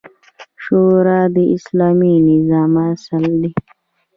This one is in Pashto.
شورا د اسلامي نظام اصل دی